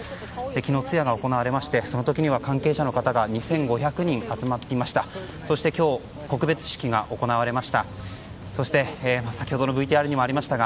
昨日、通夜が行われましてその時には関係者の方が２５００人集まりました。